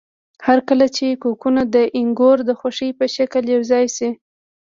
هرکله چې کوکونه د انګور د خوشې په شکل یوځای شي.